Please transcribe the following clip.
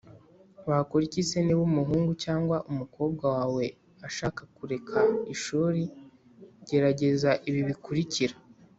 Wakora iki se niba umuhungu cyangwa umukobwa wawe ashaka kureka ishuri Gerageza ibi bikurikira